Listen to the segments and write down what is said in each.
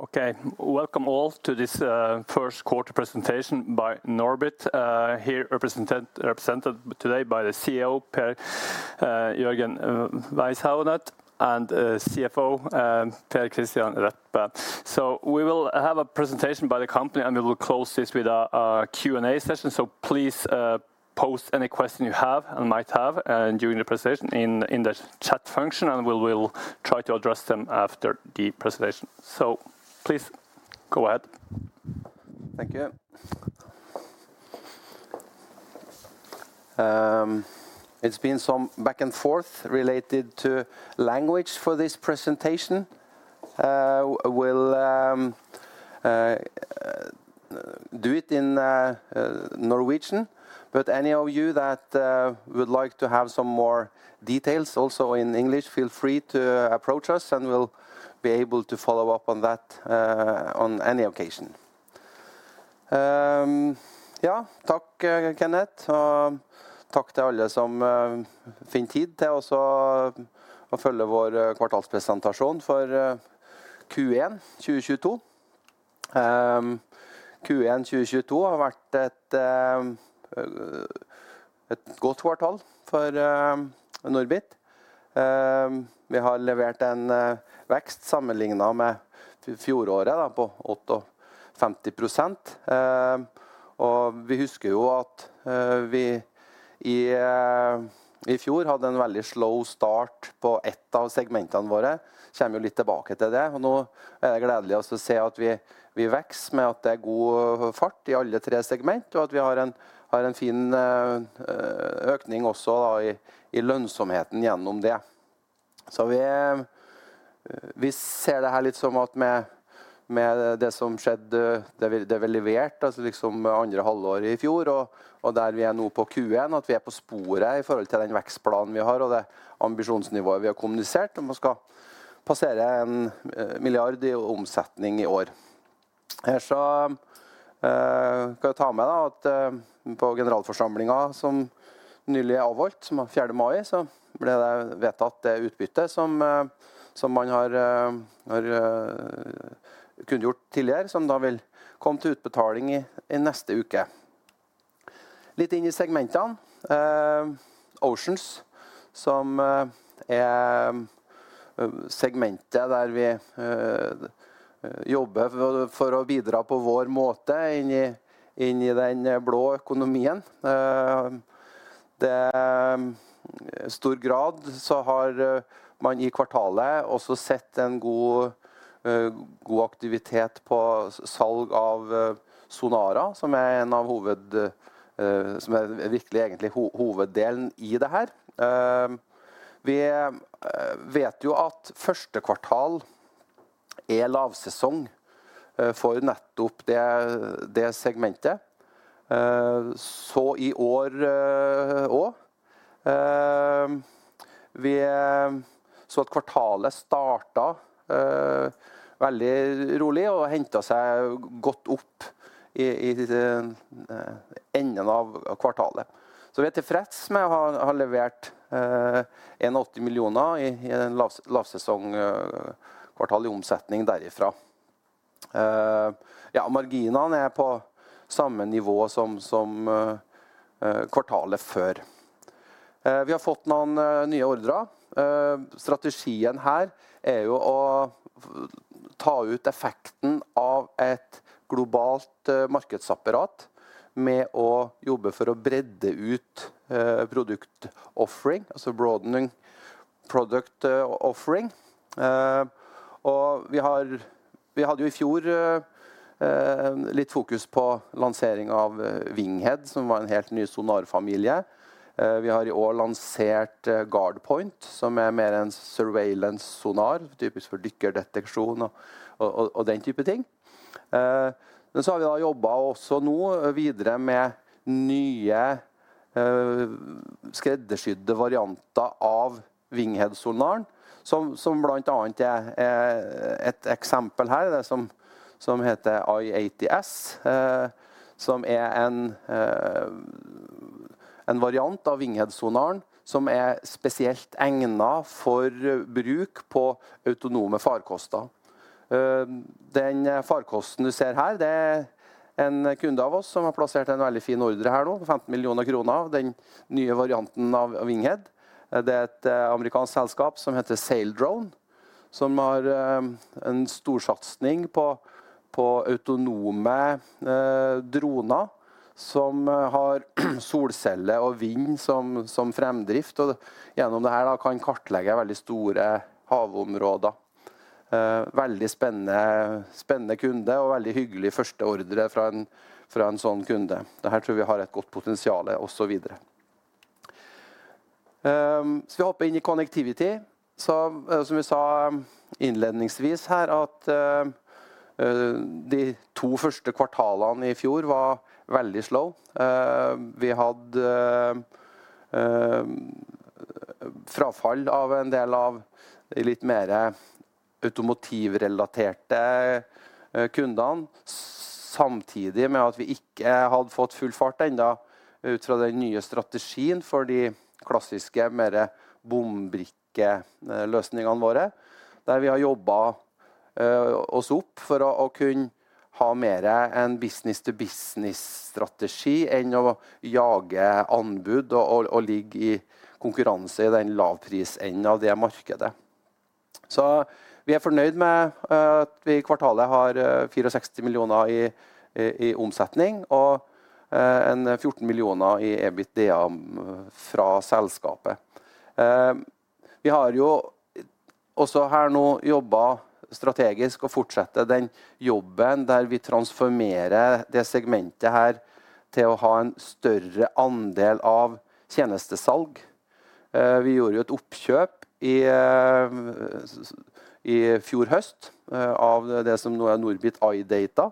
Okay, welcome all to this first quarter presentation by NORBIT. Here represented today by the CEO Per Jørgen Weisethaunet and CFO Per Kristian Reppe. We will have a presentation by the company and we will close this with a Q&A session. Please post any question you have and might have during the presentation in the chat function and we will try to address them after the presentation. Please go ahead. Thank you. It's been some back and forth related to language for this presentation. We'll do it in Norwegian. But any of you that would like to have some more details also in English feel free to approach us and we'll be able to follow up on that on any occasion. Ja, takk Kenneth og takk til alle som finner tid til å så følge vår kvartalspresentasjon for Q1 2022. Q1 2022 har vært et godt kvartal for NORBIT. Vi har levert en vekst sammenlignet med fjoråret da på 85%. Vi husker jo at vi i fjor hadde en veldig slow start på ett av segmentene våre. Kommer jo litt tilbake til det, og nå er det gledelig å se at vi vokser med at det er god fart i alle tre segment og at vi har en fin økning også da i lønnsomheten gjennom det. Vi ser det her litt som at med det som skjedde, det ble levert altså liksom andre halvåret i fjor og der vi er nå på Q1, at vi er på sporet i forhold til den vekstplanen vi har og det ambisjonsnivået vi har kommunisert om å skal passere 1 milliard i omsetning i år. Her så kan jeg ta med da at på generalforsamlingen som nylig er avholdt fjerde mai, så ble det vedtatt det utbytte som man har kunngjort tidligere, som da vil komme til utbetaling i neste uke. Litt inn i segmentene. Oceans, som er segmentet der vi jobber for å bidra på vår måte inn i den blå økonomien. I stor grad så har man i kvartalet også sett en god aktivitet på salg av sonarer som er hoveddelen i det her. Vi vet jo at første kvartal er lavsesong for nettopp det segmentet. Så i år. Vi så at kvartalet startet veldig rolig og hentet seg godt opp i enden av kvartalet. Vi er tilfreds med å ha levert 180 million i lavsesong kvartalet i omsetning derifra. Ja, marginene er på samme nivå som kvartalet før. Vi har fått noen nye ordrer. Strategien her er jo å ta ut effekten av et globalt markedsapparat med å jobbe for å bredde ut product offering, altså broadening product offering. Vi hadde jo i fjor litt fokus på lansering av WINGHEAD, som var en helt ny sonar familie. Vi har i år lansert GuardPoint, som er mer en surveillance sonar, typisk for dykkerdeteksjon og den type ting. Så har vi da jobbet også nå videre med nye skreddersydde varianter av WINGHEAD sonaren, som blant annet er et eksempel her som heter i80S. Som er en variant av WINGHEAD sonaren som er spesielt egnet for bruk på autonome farkoster. Den farkosten du ser her, det er en kunde av oss som har plassert en veldig fin ordre her nå. 15 million kroner. Den nye varianten av WINGHEAD. Det er et amerikansk selskap som heter Saildrone, som har en storsatsing på autonome droner som har solcelle og vind som fremdrift. Gjennom det her da kan kartlegge veldig store havområder. Veldig spennende kunde og veldig hyggelig første ordre fra en sånn kunde. Det her tror vi har et godt potensiale også videre. Vi hopper inn i Connectivity. Som vi sa innledningsvis her at de to første kvartalene i fjor var veldig slow. Vi hadde frafall av en del av de litt mer automotive relaterte kundene. Samtidig med at vi ikke hadde fått full fart enda ut fra den nye strategien for de klassiske, mer bom brikke løsningene våre, der vi har jobbet oss opp for å kunne ha mer en business to business strategi enn å jage anbud og ligge i konkurranse i den lavprisenden av det markedet. Vi er fornøyd med at vi i kvartalet har NOK 46 million i omsetning og 14 million i EBITDA fra selskapet. Vi har jo også her nå jobbet strategisk og fortsetter den jobben der vi transformerer det segmentet her til å ha en større andel av tjenestesalg. Vi gjorde jo et oppkjøp i fjor høst av det som nå er NORBIT iData,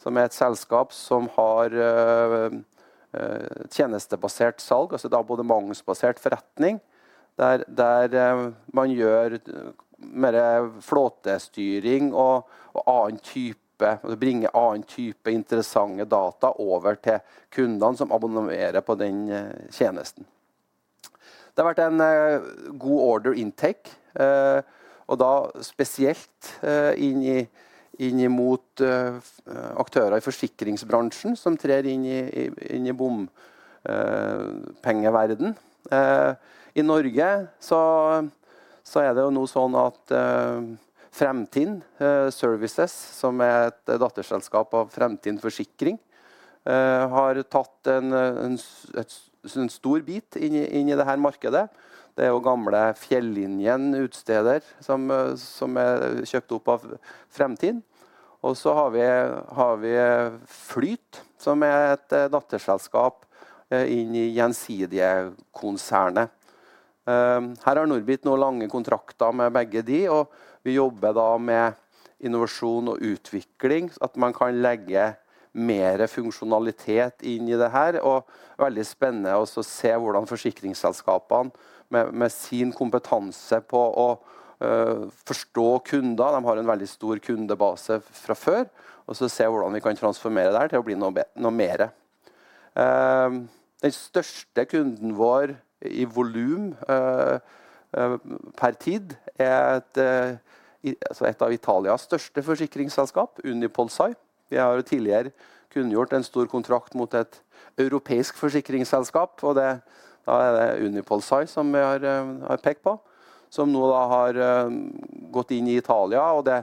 som er et selskap som har tjenestebasert salg. Altså da abonnementsbasert forretning. Der man gjør mer flåtestyring og bringer annen type interessante data over til kundene som abonnerer på den tjenesten. Det har vært en god order intake og da spesielt inn i mot aktører i forsikringsbransjen som trer inn i bompengeverdenen. I Norge så er det jo nå sånn at Fremtind Service, som er et datterselskap av Fremtind Forsikring, har tatt en stor bit inn i det her markedet. Det er jo gamle Fjellinjen utsteder som er kjøpt opp av Fremtind. Har vi Flyt som er et datterselskap inn i Gjensidige konsernet. Her har NORBIT nå lange kontrakter med begge de, og vi jobber da med innovasjon og utvikling så at man kan legge mer funksjonalitet inn i det her og veldig spennende å se hvordan forsikringsselskapene med sin kompetanse på å forstå kunder. De har en veldig stor kundebase fra før, og se hvordan vi kan transformere det her til å bli noe mer. Den største kunden vår i volum per tid er altså et av Italias største forsikringsselskap, UnipolSai. Vi har tidligere kunngjort en stor kontrakt mot et europeisk forsikringsselskap, og det er det UnipolSai som vi har pekt på, som nå har gått inn i Italia og det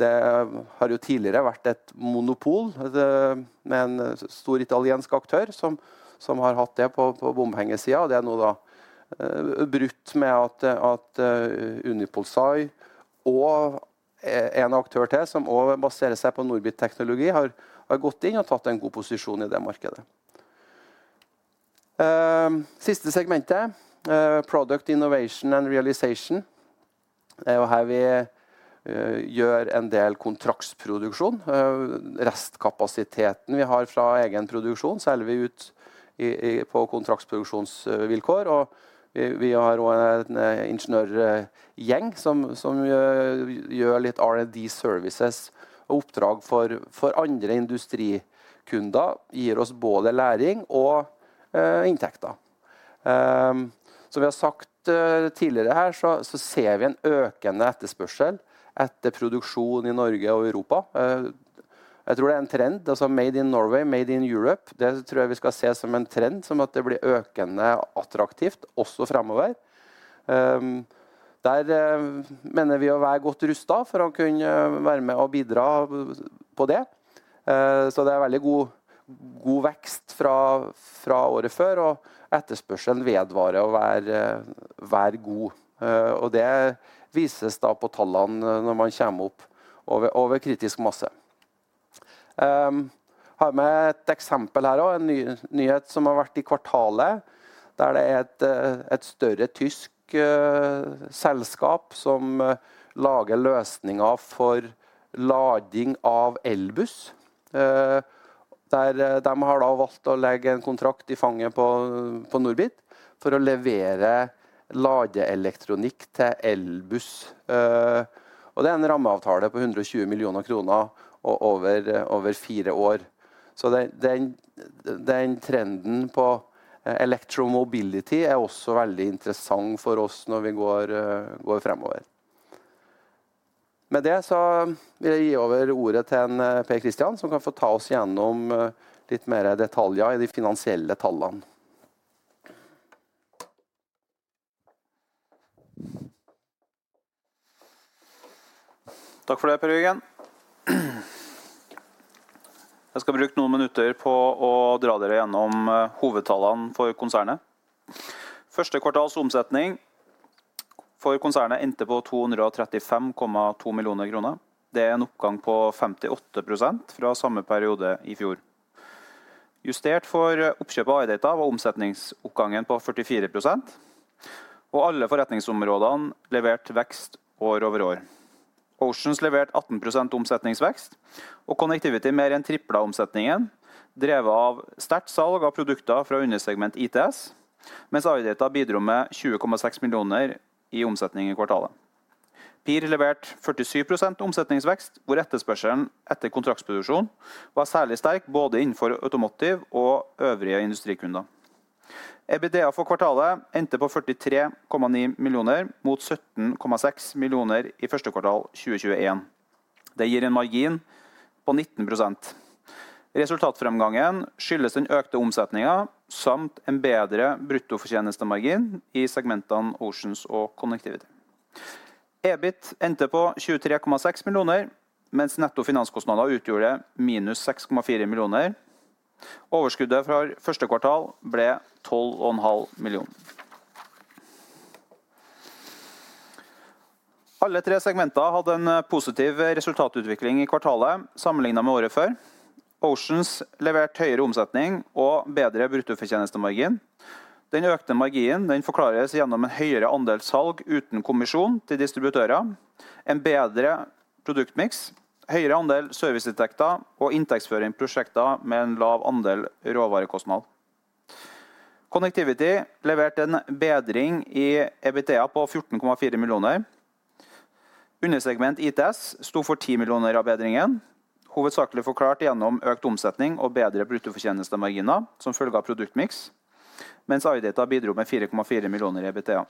har jo tidligere vært et monopol med en stor italiensk aktør som har hatt det på bompengesiden. Det er nå brutt med at UnipolSai og en aktør til som også baserer seg på NORBIT teknologi har gått inn og tatt en god posisjon i det markedet. Siste segmentet, Product Innovation & Realization. Her vi gjør en del kontraktsproduksjon. Restkapasiteten vi har fra egen produksjon selger vi ut på kontraktsproduksjonsvilkår. Vi har også en ingeniørgjeng som gjør litt R&D services og oppdrag for andre industrikunder gir oss både læring og inntekter. Som vi har sagt tidligere her så ser vi en økende etterspørsel etter produksjon i Norge og Europa. Jeg tror det er en trend. Altså Made in Norway, Made in Europe. Det tror jeg vi skal se som en trend, som at det blir økende attraktivt også fremover. Der mener vi å være godt rustet for å kunne være med å bidra på det. Så det er veldig god vekst fra året før, og etterspørselen vedvarer å være god. Og det vises da på tallene når man kommer opp over kritisk masse. Har med et eksempel her og. En nyhet som har vært i kvartalet, der det er et større tysk selskap som lager løsninger for lading av elbuss. Der de har da valgt å legge en kontrakt i fanget på NORBIT for å levere ladeelektronikk til elbuss. Det er en rammeavtale på 120 million kroner over four years. Den trenden på electro mobility er også veldig interessant for oss når vi går fremover. Med det så vil jeg gi over ordet til Per Kristian Reppe som kan få ta oss gjennom litt mer detaljer i de finansielle tallene. Takk for det, Per Kristian Reppe. Jeg skal bruke noen minutter på å dra dere gjennom hovedtallene for konsernet. Første kvartals omsetning for konsernet endte på 235.2 million kroner. Det er en oppgang på 58% fra samme periode i fjor. Justert for oppkjøpet av iData var omsetningsoppgangen på 44%, og alle forretningsområdene leverte vekst år over år. Oceans leverte 18% omsetningsvekst og Connectivity mer enn trippet omsetningen drevet av sterkt salg av produkter fra undersegment ITS, mens iData bidro med 20.6 million i omsetning i kvartalet. PIR leverte 47% omsetningsvekst, hvor etterspørselen etter kontraktsproduksjon var særlig sterk både innenfor automotive og øvrige industrikunder. EBITDA for kvartalet endte på 43.9 million mot 17.6 million i første kvartal 2021. Det gir en margin på 19%. Resultatframgangen skyldes den økte omsetningen samt en bedre bruttofortjenestemargin i segmentene Oceans og Connectivity. EBIT endte på 23.6 million, mens netto finanskostnader utgjorde -6.4 million. Overskuddet fra første kvartal ble NOK 12 and a half million. Alle 3 segmenter hadde en positiv resultatutvikling i kvartalet sammenlignet med året før. Oceans leverte høyere omsetning og bedre bruttofortjenestemargin. Den økte marginen forklares gjennom en høyere andel salg uten kommisjon til distributører, en bedre produktmiks, høyere andel serviceinntekter og inntektsføring prosjekter med en lav andel råvarekostnad. Connectivity leverte en bedring i EBITDA på 14.4 million. Undersegment ITS sto for 10 million av bedringen, hovedsakelig forklart gjennom økt omsetning og bedre bruttofortjenestemarginer som følge av produktmiks, mens iData bidro med 4.4 million i EBITDA.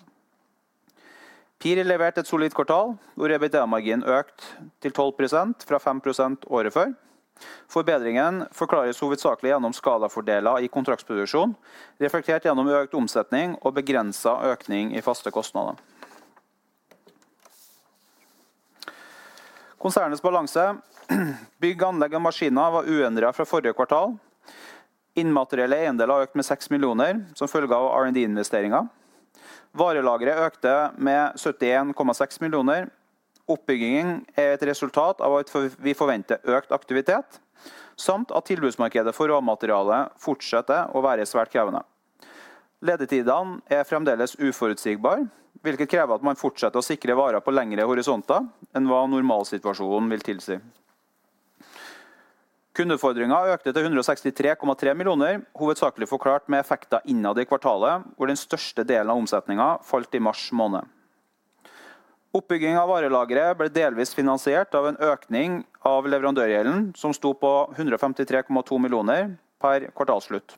PIR leverte et solid kvartal hvor EBITDA-marginen økte til 12% fra 5% året før. Forbedringen forklares hovedsakelig gjennom skalafordeler i kontraktsproduksjon, reflektert gjennom økt omsetning og begrenset økning i faste kostnader. Konsernets balanse, bygg og anlegg av maskiner var uendret fra forrige kvartal. Innmaterielle eiendeler økte med 6 millioner som følge av R&D investeringer. Varelageret økte med 77.6 millioner. Oppbyggingen er et resultat av at vi forventer økt aktivitet, samt at tilbudsmarkedet for råmateriale fortsetter å være svært krevende. Ledetidene er fremdeles uforutsigbar, hvilket krever at man fortsetter å sikre varer på lengre horisonter enn hva normalsituasjonen vil tilsi. Kunde fordringer økte til 166.3 millioner, hovedsakelig forklart med effekter innad i kvartalet, hvor den største delen av omsetningen falt i mars måned. Oppbygging av varelageret ble delvis finansiert av en økning av leverandørgjelden, som sto på 153.2 millioner per kvartalsslutt.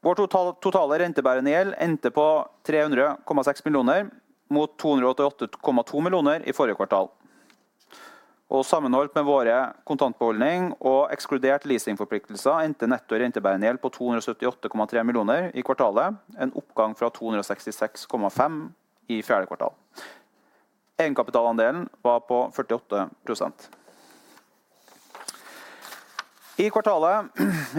Vår totale rentebærende gjeld endte på 300.6 millioner mot 288.2 millioner i forrige kvartal. Sammenholdt med våre kontantbeholdning og ekskludert leasingforpliktelser endte netto rentebærende gjeld på 278.3 millioner i kvartalet, en oppgang fra 266.5 i fjerde kvartal. Egenkapitalandelen var på 48%. I kvartalet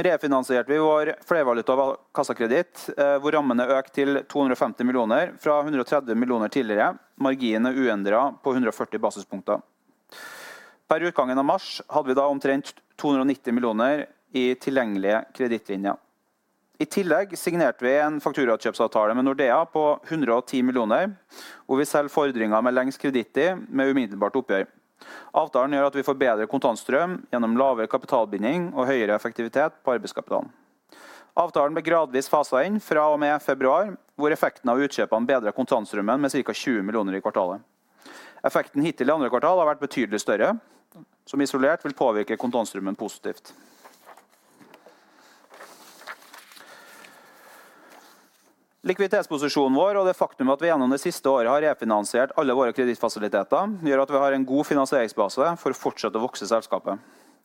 refinansierte vi vår flervaluta kassakreditt, hvor rammene økte til 250 millioner fra 130 millioner tidligere. Marginen er uendret på 140 basispunkter. Per utgangen av mars hadde vi da omtrent 290 millioner i tilgjengelige kredittlinjer. I tillegg signerte vi en fakturakjøpsavtale med Nordea på 110 millioner, hvor vi selger fordringer med lengst kredittid med umiddelbart oppgjør. Avtalen gjør at vi får bedre kontantstrøm gjennom lavere kapitalbinding og høyere effektivitet på arbeidskapitalen. Avtalen ble gradvis fasett inn fra og med februar, hvor effekten av utkjøpene bedret kontantstrømmen med cirka 20 millioner i kvartalet. Effekten hittil i andre kvartal har vært betydelig større, som isolert vil påvirke kontantstrømmen positivt. Likviditetsposisjonen vår og det faktum at vi gjennom det siste året har refinansiert alle våre kredittfasiliteter, gjør at vi har en god finansieringsbase for å fortsette å vokse selskapet.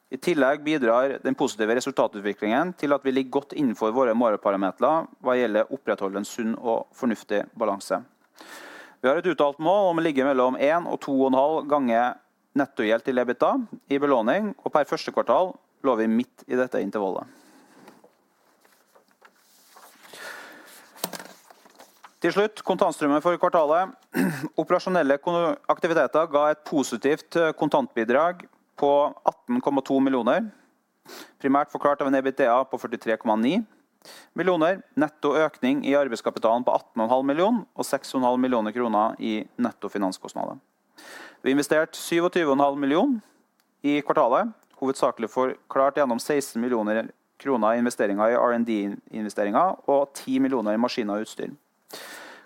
I tillegg bidrar den positive resultatutviklingen til at vi ligger godt innenfor våre målparametre hva gjelder å opprettholde en sunn og fornuftig balanse. Vi har et uttalt mål om å ligge mellom 1 og 2.5 ganger netto gjeld til EBITDA i belåning, og per første kvartal lå vi midt i dette intervallet. Til slutt kontantstrømmen for kvartalet. Operasjonelle aktiviteter ga et positivt kontantbidrag på 18.2 millioner, primært forklart av en EBITDA på 43.9 millioner. Netto økning i arbeidskapitalen på 18 og en halv million og NOK 6 og en halv million i netto finanskostnader. Vi investerte 27 og en halv million i kvartalet, hovedsakelig forklart gjennom 16 millioner kroner i investeringer i R&D og 10 millioner i maskiner og utstyr.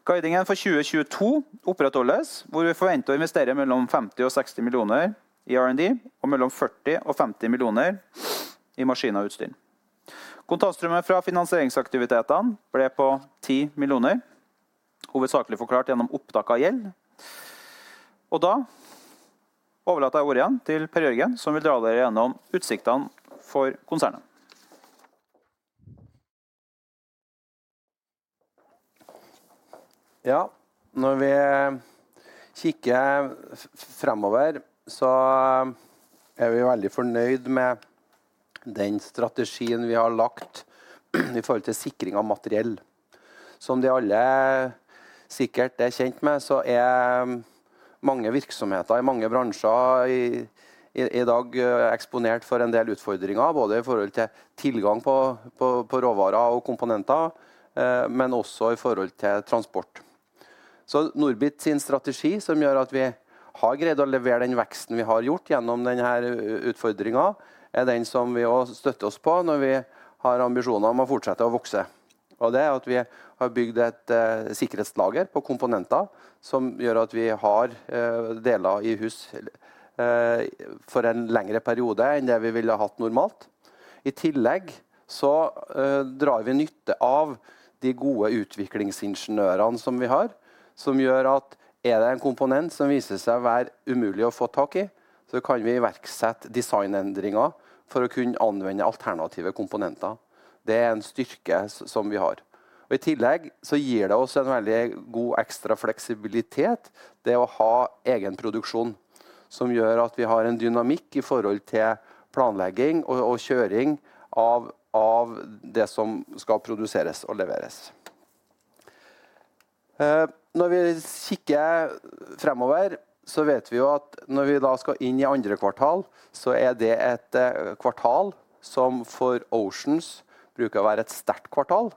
Guidningen for 2022 opprettholdes, hvor vi forventer å investere mellom NOK 50-60 millioner i R&D og mellom NOK 40-50 millioner i maskiner og utstyr. Kontantstrømmen fra finansieringsaktivitetene ble på NOK 10 millioner, hovedsakelig forklart gjennom opptak av gjeld. Da overlater jeg ordet igjen til Per Jørgen, som vil ta dere gjennom utsiktene for konsernet. Ja, når vi kikker fremover så er vi veldig fornøyd med den strategien vi har lagt i forhold til sikring av materiell. Som dere alle sikkert er kjent med så er mange virksomheter i mange bransjer i dag eksponert for en del utfordringer, både i forhold til tilgang på råvarer og komponenter, men også i forhold til transport. NORBIT sin strategi som gjør at vi har greid å levere den veksten vi har gjort gjennom den her utfordringen er den som vi også støtter oss på når vi har ambisjoner om å fortsette å vokse. Det er at vi har bygd et sikkerhetslager på komponenter som gjør at vi har deler i hus for en lengre periode enn det vi ville hatt normalt. I tillegg så drar vi nytte av de gode utviklingsingeniørene som vi har, som gjør at er det en komponent som viser seg å være umulig å få tak i, så kan vi iverksette designendringer for å kunne anvende alternative komponenter. Det er en styrke som vi har. I tillegg så gir det oss en veldig god ekstra fleksibilitet. Det å ha egenproduksjon som gjør at vi har en dynamikk i forhold til planlegging og kjøring av det som skal produseres og leveres. Når vi kikker fremover så vet vi jo at når vi da skal inn i andre kvartal så er det et kvartal som for Oceans bruker å være et sterkt kvartal.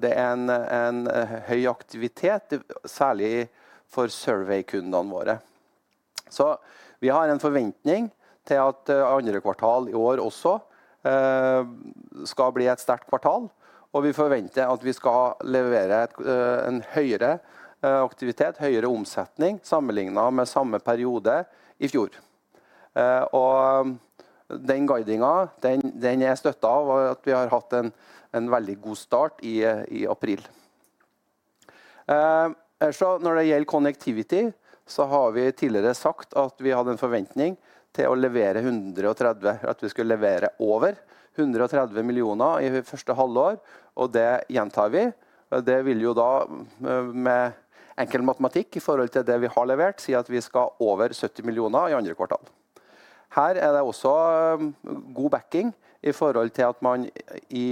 Det er en høy aktivitet, særlig for surveykundene våre. Vi har en forventning til at andre kvartal i år også skal bli et sterkt kvartal, og vi forventer at vi skal levere en høyere aktivitet, høyere omsetning sammenlignet med samme periode i fjor. Den guidingen er støttet av at vi har hatt en veldig god start i april. Når det gjelder Connectivity, så har vi tidligere sagt at vi hadde en forventning at vi skulle levere over 130 million i første halvår, og det gjentar vi. Det vil jo da med enkel matematikk i forhold til det vi har levert så at vi skal over 70 million i andre kvartal. Her er det også god backing i forhold til at man i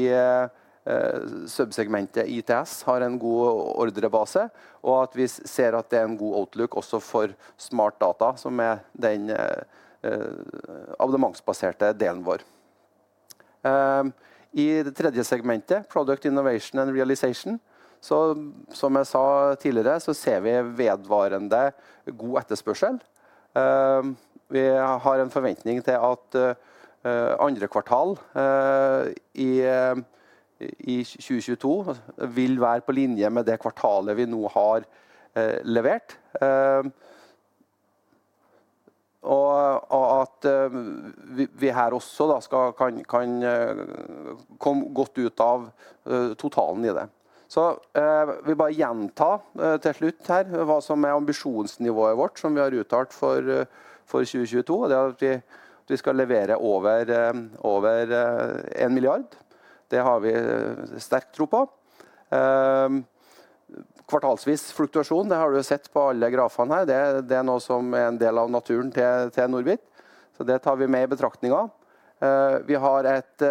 subsegmentet ITS har en god ordrebase og at vi ser at det er en god outlook også for Smart Data som er den abonnementsbaserte delen vår. I det tredje segmentet Product Innovation & Realization. Som jeg sa tidligere så ser vi vedvarende god etterspørsel. Vi har en forventning til at andre kvartal i 2022 vil være på linje med det kvartalet vi nå har levert. Og at vi her også da kan komme godt ut av totalen i det. Vil bare gjenta til slutt her hva som er ambisjonsnivået vårt som vi har uttalt for 2022, og det er at vi skal levere over 1 milliard. Det har vi sterk tro på. Kvartalsvis fluktuasjon. Det har du jo sett på alle grafene her. Det er noe som er en del av naturen til NORBIT, så det tar vi med i betraktningen. Vi har et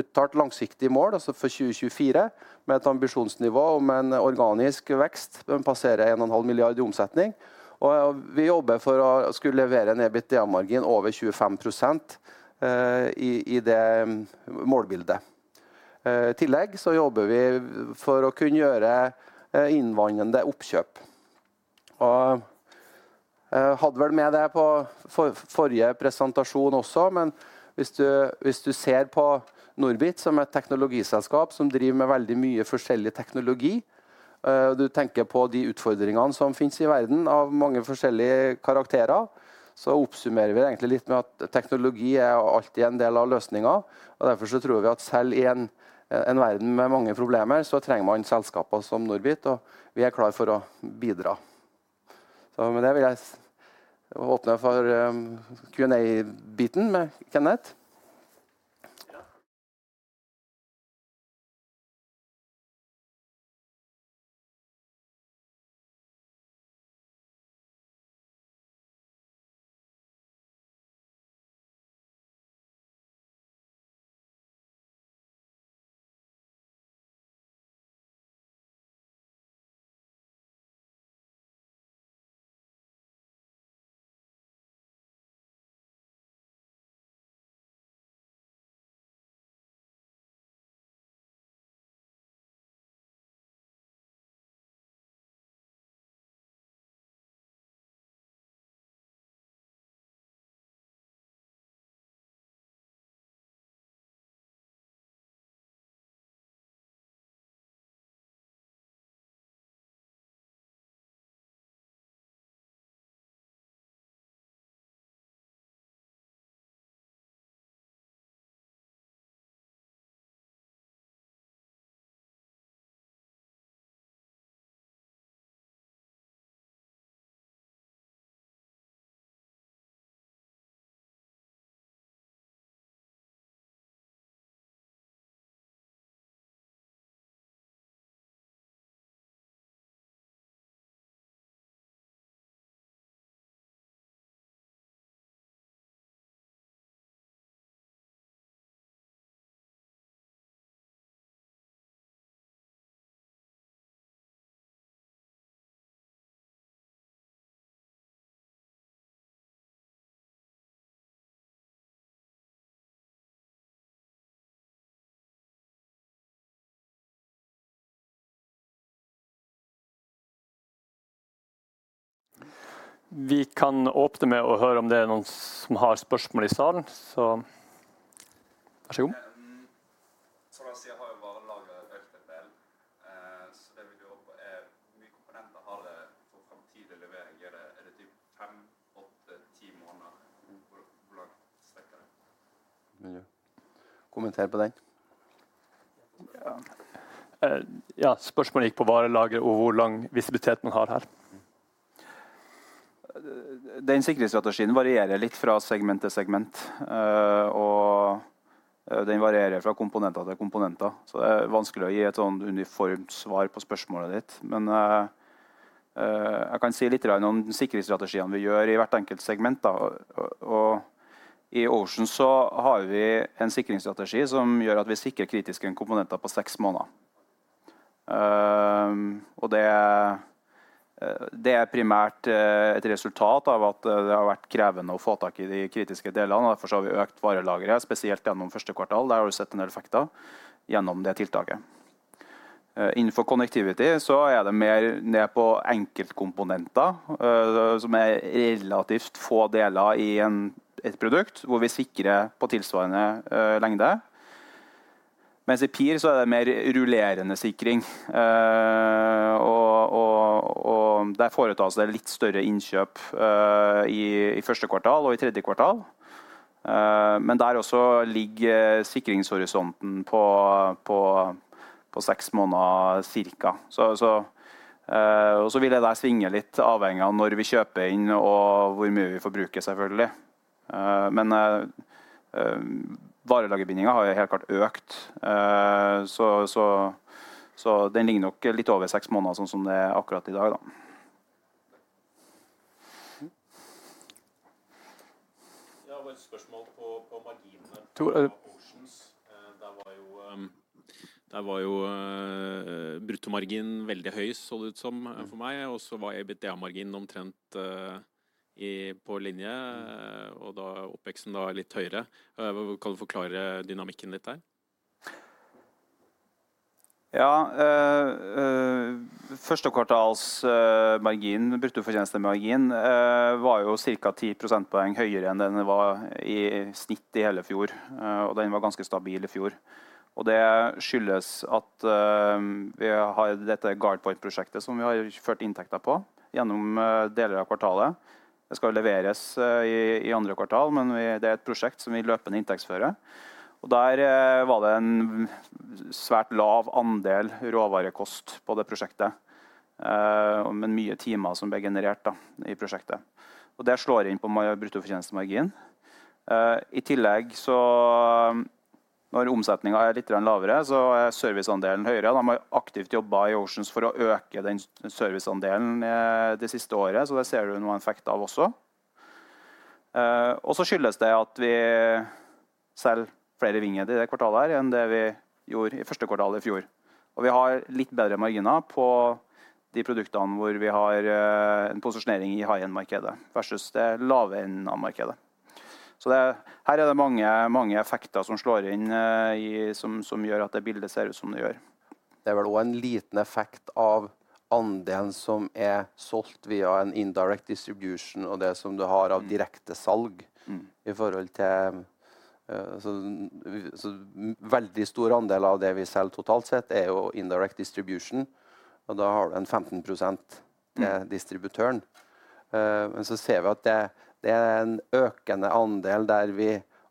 uttalt langsiktig mål, altså for 2024, med et ambisjonsnivå om en organisk vekst. Den passerer 1.5 milliard i omsetning, og vi jobber for å skulle levere en EBITDA-margin over 25% i det målbildet. I tillegg så jobber vi for å kunne gjøre inngående oppkjøp. Jeg hadde vel med det på forrige presentasjon også. Hvis du ser på NORBIT som et teknologiselskap som driver med veldig mye forskjellig teknologi, og du tenker på de utfordringene som finnes i verden av mange forskjellige karakterer, så oppsummerer vi egentlig litt med at teknologi er alltid en del av løsningen, og derfor så tror vi at selv i en verden med mange problemer så trenger man selskaper som NORBIT, og vi er klar for å bidra. Med det vil jeg åpne for Q&A biten med Kenneth. Ja. Vi kan åpne med å høre om det er noen som har spørsmål i salen, så vær så god. Så langt har jo varelagret økt etter så det vil jo være mye komponenter å ha det for framtidig levering. Er det typ 5, 8, 10 måneder? Hvor langt strekker det? Kommenter på den. Ja, ja. Spørsmålet gikk på varelager og hvor lang visibilitet man har her. Den sikringsstrategien varierer litt fra segment til segment, og den varierer fra komponenter til komponenter. Det er vanskelig å gi et sånt uniformt svar på spørsmålet ditt. Jeg kan si littegrann om sikringsstrategiene vi gjør i hvert enkelt segment. I Ocean har vi en sikringsstrategi som gjør at vi sikrer kritiske komponenter på seks måneder. Det er primært et resultat av at det har vært krevende å få tak i de kritiske delene. Derfor har vi økt varelageret, spesielt gjennom første kvartal. Der har du sett en effekt gjennom det tiltaket. Innenfor connectivity er det mer ned på enkeltkomponenter som er relativt få deler i et produkt hvor vi sikrer på tilsvarende lengde, mens i PIR er det mer rullerende sikring og der foretas det litt større innkjøp i første kvartal og i tredje kvartal. Der også ligger sikringshorisonten på seks måneder cirka. Så og så vil det der svinge litt avhengig av når vi kjøper inn og hvor mye vi forbruker selvfølgelig. Varelagerbindingen har jo helt klart økt, så den ligger nok litt over seks måneder sånn som det er akkurat i dag da. Jeg har et spørsmål på marginene til Oceans. Der var jo bruttomargin veldig høy så det ut som for meg. Var EBITDA-marginen omtrent på linje og oppveksten er litt høyere. Kan du forklare dynamikken litt der? Første kvartalets margin, bruttofortjenestemargin, var jo cirka 10 prosentpoeng høyere enn den var i snitt i hele fjor, og den var ganske stabil i fjor. Det skyldes at vi har dette GuardPoint-prosjektet som vi har ført inntekter på gjennom deler av kvartalet. Det skal leveres i andre kvartal, men det er et prosjekt som vi løpende inntektsfører, og der var det en svært lav andel råvarekost på det prosjektet. Men mange timer som ble generert da i prosjektet, og det slår inn på bruttofortjenestemargin. I tillegg så når omsetningen er littegrann lavere, så er serviceandelen høyere. Da må jeg aktivt jobbet i Oceans for å øke den serviceandelen det siste året, så der ser du noen effekt av også. Skyldes det at vi selger flere WINGHEAD i det kvartalet her enn det vi gjorde i første kvartal i fjor, og vi har litt bedre marginer på de produktene hvor vi har en posisjonering i high-end markedet versus det low-end av markedet. Det her er det mange effekter som slår inn i som gjør at det bildet ser ut som det gjør. Det er vel også en liten effekt av andelen som er solgt via en indirect distribution og det som du har av direkte salg i forhold til. Så veldig stor andel av det vi selger totalt sett er jo indirect distribution, og da har du en 15% til distributøren. Men så ser vi at det er en økende andel der vi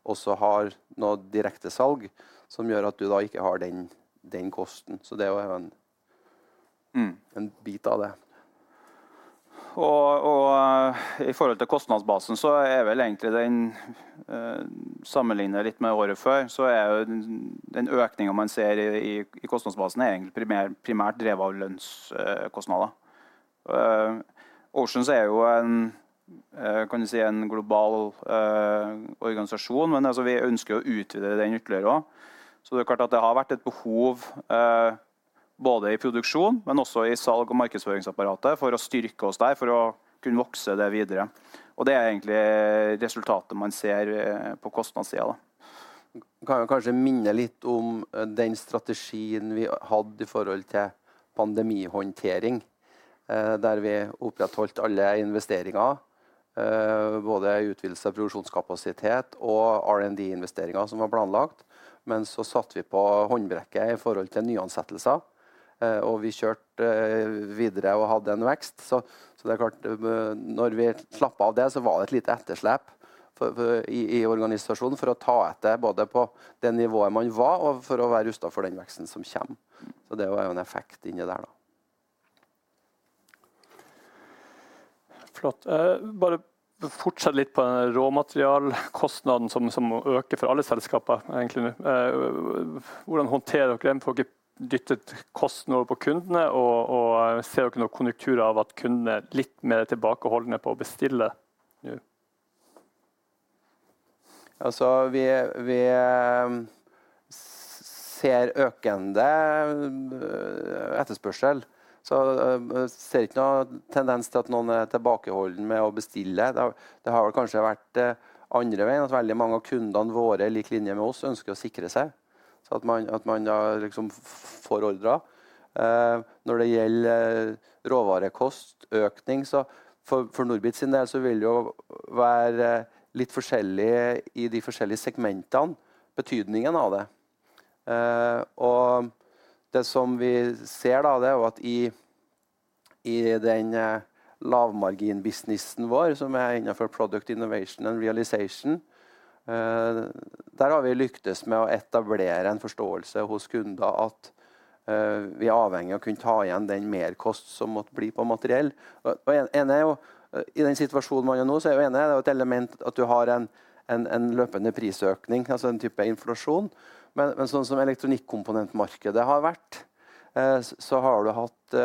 også har nå direktesalg som gjør at du da ikke har den kosten. Det er jo en bit av det. I forhold til kostnadsbasen så er vel egentlig den sammenlignet litt med året før. Er jo den økningen man ser i kostnadsbasen er egentlig primært drevet av lønnskostnader. Oceans er jo en kan du si, en global organisasjon, men vi ønsker å utvide den ytterligere også. Det er klart at det har vært et behov både i produksjon, men også i salg og markedsføringsapparatet for å styrke oss der for å kunne vokse det videre. Det er egentlig resultatet man ser på kostnadssiden da. Kan jo kanskje minne litt om den strategien vi hadde i forhold til pandemihåndtering, der vi opprettholdt alle investeringer, både utvidelse av produksjonskapasitet og R&D investeringer som var planlagt. Vi satt på håndbrekket i forhold til nyansettelser, og vi kjørte videre og hadde en vekst. Det er klart, når vi slapp av det, så var det et lite etterslep i organisasjonen for å ta etter både på det nivået man var og for å være rustet for den veksten som kommer. Det var jo en effekt inni der da. Flott. Bare fortsett litt på råmaterialkostnadene som øker for alle selskaper egentlig. Hvordan håndterer dere den for å ikke dytte kostnadene over på kundene og ser dere noen konjunkturer av at kundene er litt mer tilbakeholdne på å bestille nå? Altså vi ser økende etterspørsel, så ser ikke noen tendens til at noen er tilbakeholden med å bestille. Det har vel kanskje vært andre veien at veldig mange av kundene våre i lik linje med oss ønsker å sikre seg. Så at man da liksom får ordrer. Når det gjelder råvarekost økning så for NORBIT's sin del så vil det jo være litt forskjellig i de forskjellige segmentene betydningen av det. Og det som vi ser da er at i den lavmargin businessen vår som er innenfor Product Innovation & Realization. Der har vi lyktes med å etablere en forståelse hos kundene at vi er avhengig av å kunne ta igjen den merkost som måtte bli på materiell. Og en er jo i den situasjonen man er nå. Så er jo det et element at du har en løpende prisøkning, altså en type inflasjon. Sånn som elektronikk komponentmarkedet har vært, så har du hatt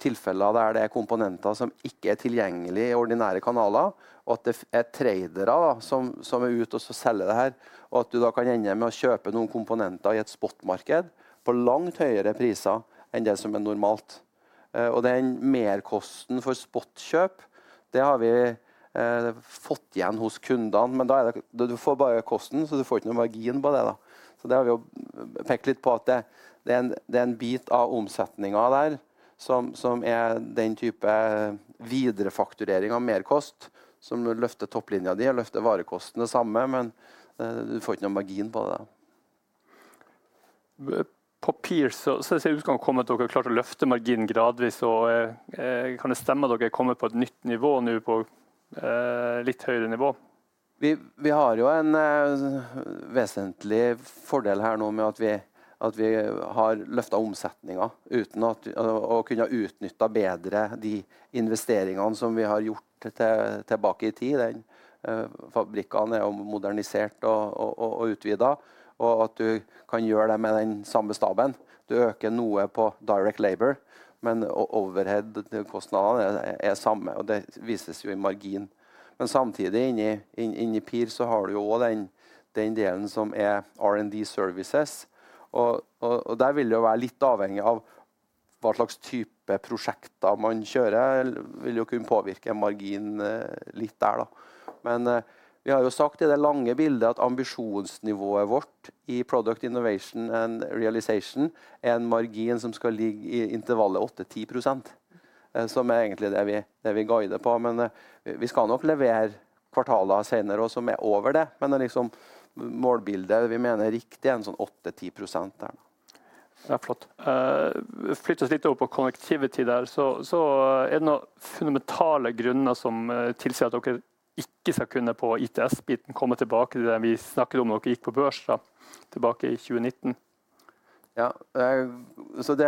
tilfeller der det er komponenter som ikke er tilgjengelig i ordinære kanaler, og at det er tradere da som er ute og selger det her, og at du da kan ende med å kjøpe noen komponenter i et spotmarked på langt høyere priser enn det som er normalt. Den merkosten for spotkjøp, det har vi fått igjen hos kundene. Da er det du får bare kosten, så du får ikke noe margin på det da. Der har vi jo pekt litt på at det er en bit av omsetningen der som er den type viderefakturering av merkost som løfter topplinjen din og løfter varekosten det samme. Du får ikke noen margin på det da. På papir så ser det ut som om dere har klart å løfte marginen gradvis. Kan det stemme at dere har kommet på et nytt nivå nå på litt høyere nivå? Vi har jo en vesentlig fordel her nå med at vi har løftet omsetningen uten å kunne utnytte bedre de investeringene som vi har gjort tilbake i tid. Den fabrikken er modernisert og utvidet og at du kan gjøre det med den samme staben. Du øker noe på direct labor, men overheadkostnadene er samme, og det vises jo i margin. Men samtidig i PIR så har du jo også den delen som er R&D services og der vil det jo være litt avhengig av hva slags type prosjekter man kjører. Vil jo kunne påvirke margin litt der da, men vi har jo sagt i det lange bildet at ambisjonsnivået vårt i Product Innovation & Realization er en margin som skal ligge i intervallet 8-10%, som er egentlig det vi guider på. Vi skal nok levere kvartaler senere også som er over det. Det liksom målbildet vi mener er riktig er en sånn 8-10% der da. Ja, flott. Flytter oss litt over på Connectivity der, så er det noen fundamentale grunner som tilsier at dere ikke skal kunne på ITS biten komme tilbake til det vi snakket om når dere gikk på børs da, tilbake i 2019. Ja, det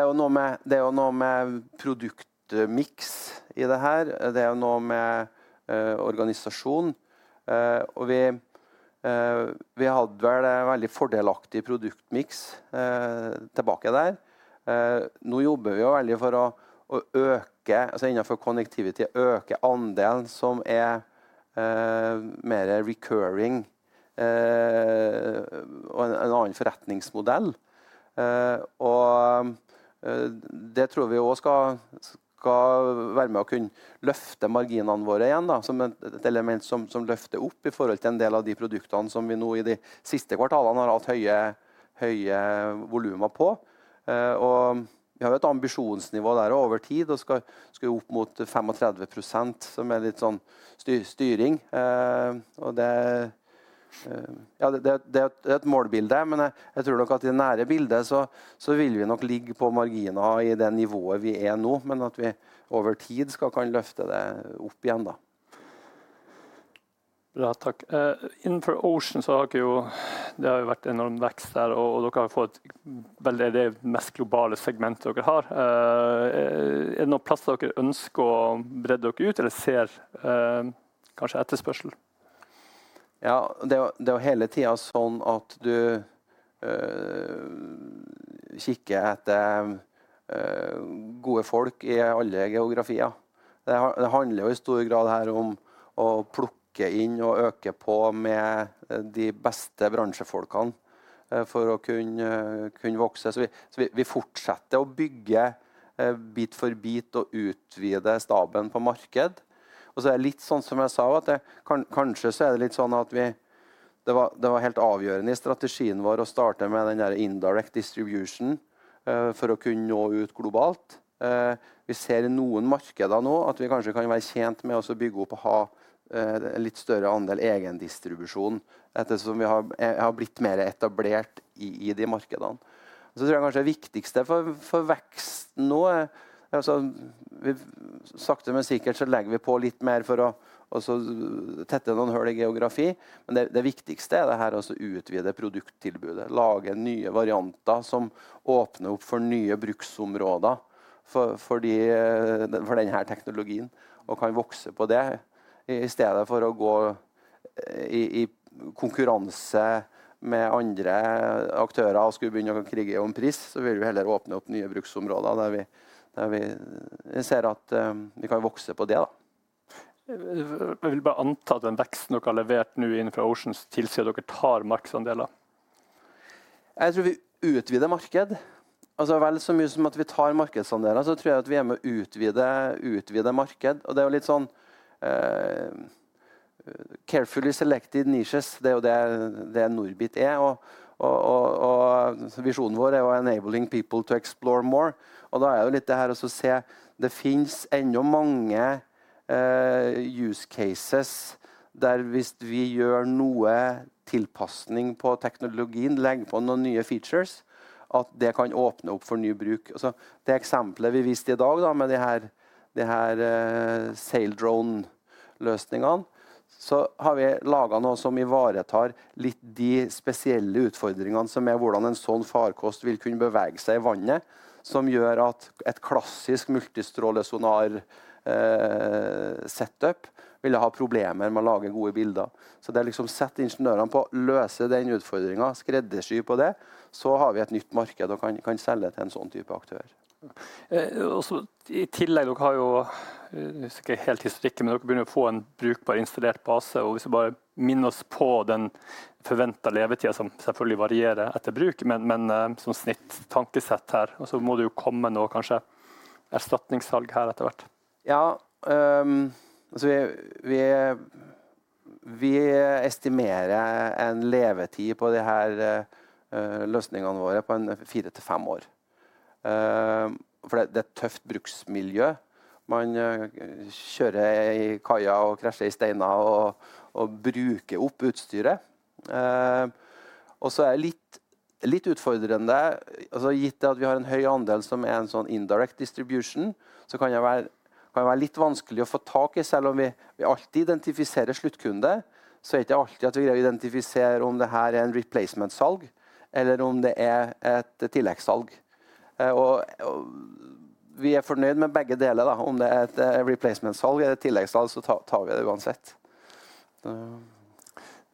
er jo noe med det, og noe med produktmiks i det her. Det er jo noe med organisasjon og vi har hatt vel veldig fordelaktig produktmiks, tilbake der. Nå jobber vi jo veldig for å øke, altså innenfor Connectivity øke andelen som er mer recurring, og en annen forretningsmodell. Det tror vi også skal være med å kunne løfte marginene våre igjen da. Som et element som løfter opp i forhold til en del av de produktene som vi nå i de siste kvartalene har hatt høye volumer på. Vi har jo et ambisjonsnivå der over tid, og skal jo opp mot 35% som er litt sånn styring, og det er et målbilde. Jeg tror nok at i det nære bildet så vil vi nok ligge på marginer i det nivået vi er nå, men at vi over tid skal kunne løfte det opp igjen da. Bra, takk. Innenfor Oceans så har dere jo, det har jo vært enorm vekst der, og dere har fått veldig det mest globale segmentet dere har. Er noen plasser dere ønsker å brette dere ut eller ser, kanskje etterspørsel? Ja, det er jo hele tiden sånn at du kikker etter gode folk i alle geografier. Det handler jo i stor grad her om å plukke inn og øke på med de beste bransjefolkene for å kunne vokse. Vi fortsetter å bygge bit for bit og utvide staben på markedet. Det er litt sånn som jeg sa at det var helt avgjørende i strategien vår å starte med den der indirect distribution for å kunne nå ut globalt. Vi ser noen markeder nå at vi kanskje kan være tjent med å også bygge opp og ha en litt større andel egen distribusjon. Etter som vi har blitt mer etablert i de markedene, så tror jeg kanskje det viktigste for vekst nå er altså vi sakte men sikkert så legger vi på litt mer for å tette noen hull i geografi. Det viktigste er det her også utvide produkttilbudet, lage nye varianter som åpner opp for nye bruksområder for den her teknologien og kan vokse på det. I stedet for å gå i konkurranse med andre aktører og skulle begynne å krige om pris, så vil vi heller åpne opp nye bruksområder der vi ser at vi kan vokse på det da. Jeg vil bare anta at den veksten dere har levert nå innenfor Oceans tilsier at dere tar markedsandeler. Jeg tror vi utvider marked. Altså vel så mye som at vi tar markedsandeler. Tror jeg at vi er med å utvide marked, og det er jo litt sånn, Carefully selected niches. Det er det NORBIT er. Visjonen vår er jo enabling people to explore more. Da er det jo litt det her å se. Det finnes enda mange, use cases der hvis vi gjør noe tilpasning på teknologien, legger på noen nye features, at det kan åpne opp for ny bruk. Så det eksempelet vi viste i dag da med de her Saildrone løsningene, så har vi laget noe som ivaretar litt de spesielle utfordringene som med hvordan en sånn farkost vil kunne bevege seg i vannet, som gjør at et klassisk multistråle sonar, setup ville ha problemer med å lage gode bilder. Det er liksom satt ingeniørene på å løse den utfordringen. Skreddersy på det. Har vi et nytt marked og kan selge til en sånn type aktør. I tillegg dere har jo ikke helt historikk, men dere begynner å få en brukbar installert base, og hvis vi bare minner oss på den forventede levetiden som selvfølgelig varierer etter bruk. Men som snitt tankesett her og så må det jo komme noe, kanskje erstatningssalg her etter hvert. Ja, altså vi estimerer en levetid på de her løsningene våre på 4-5 år. For det er et tøft bruksmiljø. Man kjører i kaia og krasjer i steiner og bruker opp utstyret. Så er det litt utfordrende. Gitt at vi har en høy andel som er en sånn indirect distribution, så kan det være litt vanskelig å få tak i, selv om vi alltid identifiserer sluttkunde, så er det ikke alltid at vi greier å identifisere om det her er en replacement salg eller om det er et tilleggssalg. Vi er fornøyde med begge deler da. Om det er en replacement salg eller et tilleggssalg så tar vi det uansett.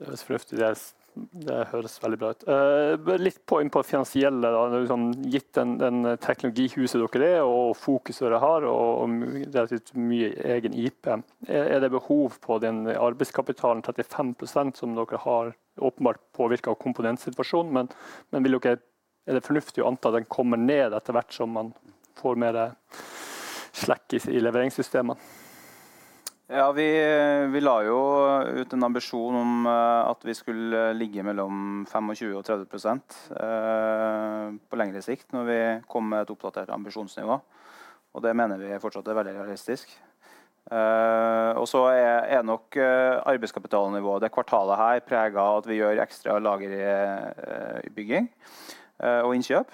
Det høres fornuftig ut. Det høres veldig bra ut. Litt inn på finansielle da. Gitt den teknologihuset dere er og fokuset dere har, og relativt mye egen IP. Er det behov på den arbeidskapitalen 35% som dere har åpenbart påvirket av komponent situasjonen, men vil dere er det fornuftig å anta at den kommer ned etter hvert som man får mer slack i leveringssystemene? Ja, vi la jo ut en ambisjon om at vi skulle ligge mellom 25% og 30% på lengre sikt når vi kom med et oppdatert ambisjonsnivå, og det mener vi fortsatt er veldig realistisk. Og så er nok arbeidskapitalnivået det kvartalet her preget av at vi gjør ekstra lager i bygging, og innkjøp.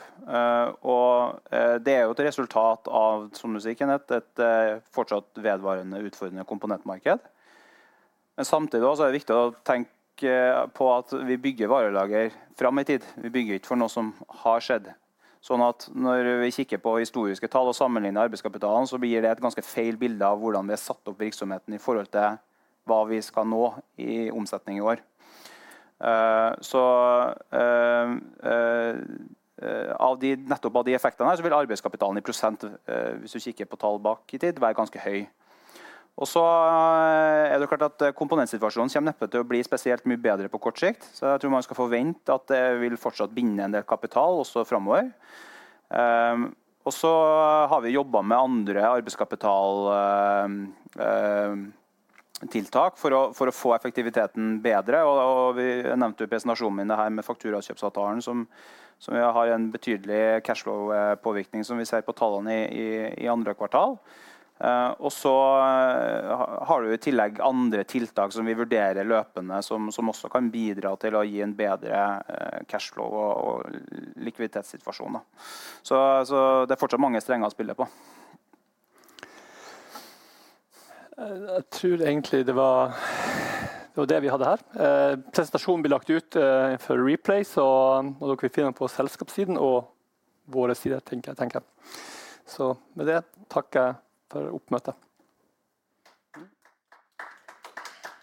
Og det er jo et resultat av et fortsatt vedvarende utfordrende komponentmarked. Men samtidig så er det viktig å tenke på at vi bygger varelager fram i tid. Vi bygger ikke for noe som har skjedd. Sånn at når vi kikker på historiske tall og sammenligner arbeidskapitalen, så gir det et ganske feil bilde av hvordan vi har satt opp virksomheten i forhold til hva vi skal nå i omsetning i år. Av de nettopp effektene her, så vil arbeidskapitalen i %, hvis du kikker på tall bakover i tid, være ganske høy. Det er klart at komponentsituasjonen kommer neppe til å bli spesielt mye bedre på kort sikt, så jeg tror man skal forvente at det vil fortsatt binde en del kapital også framover. Har vi jobbet med andre arbeidskapitaltiltak for å få effektiviteten bedre. Vi nevnte jo i presentasjonen min her med fakturakjøpsavtalen som har en betydelig cash flow-påvirkning som vi ser på tallene i andre kvartal. Har du i tillegg andre tiltak som vi vurderer løpende som også kan bidra til å gi en bedre cash flow- og likviditetssituasjon da. Det er fortsatt mange strenger å spille på. Jeg tror egentlig det var det vi hadde her. Presentasjonen blir lagt ut for replay, så da tror jeg kan finne den på selskapssiden og våre sider tenker jeg. Med det takker jeg for oppmøtet.